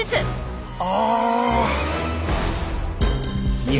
あ！